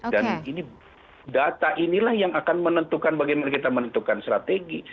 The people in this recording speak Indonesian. dan ini data inilah yang akan menentukan bagaimana kita menentukan strategi